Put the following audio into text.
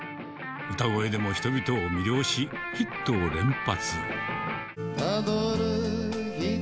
歌声でも人々を魅了し、ヒットを連発。